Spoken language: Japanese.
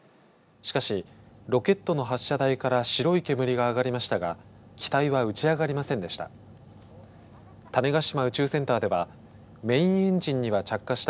しかしロケットの発射台から白い煙が上がりましたが機体は打ち上がりませんでした。